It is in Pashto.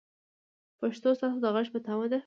پښتو ستاسو د غږ په تمه ده.